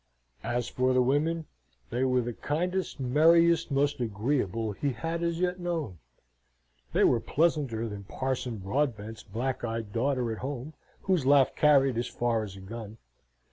As for the women, they were the kindest, merriest, most agreeable he had as yet known. They were pleasanter than Parson Broadbent's black eyed daughter at home, whose laugh carried as far as a gun.